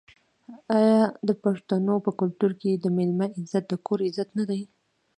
آیا د پښتنو په کلتور کې د میلمه عزت د کور عزت نه دی؟